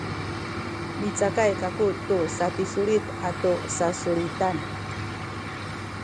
micakay kaku tu sapisulit atu sasulitan